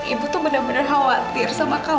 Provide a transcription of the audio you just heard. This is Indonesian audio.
ibu tuh benar benar khawatir sama kak